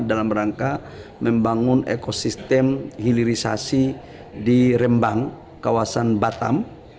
dalam rangka membangun ekosistem hilirisasi di rembang kawasan batam